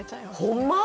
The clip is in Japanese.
ほんま？